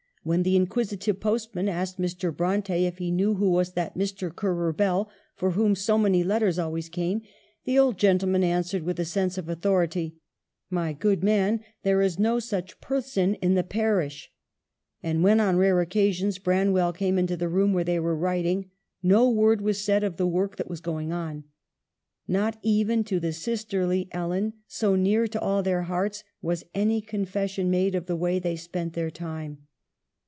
When the inquisitive postman asked Mr. Bronte if he knew who was that Mr. Currer Bell for whom so many letters always came, the old gentleman answered with a sense of authority, " My good man, there is no such person in the parish ;" and when, on rare occasions, Branwell came into the room where they were writing, no word was said of the work that was going on. Not even to the sisterly Ellen, so near to all their hearts, was any con fession made of the way they spent their time.